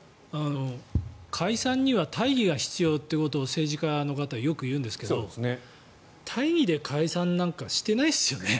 解散には大義が必要ということを政治家の方、よく言うんですが大義で解散なんかしてないですよね。